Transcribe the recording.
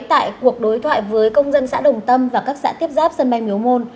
tại cuộc đối thoại với công dân xã đồng tâm và các xã tiếp giáp sân bay miếu môn